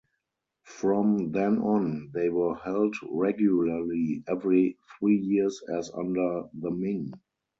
From then on they were held regularly every three years as under the Ming.